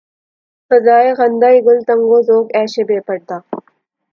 فضائے خندۂ گل تنگ و ذوق عیش بے پردا